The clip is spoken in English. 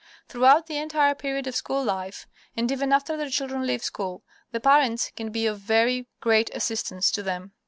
Throughout the entire period of school life, and even after their children leave school, the parents can be of very great assistance to them.